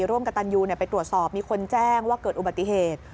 ร่วมกับตันยูไปตรวจสอบมีคนแจ้งว่าเกิดอุบัติเหตุ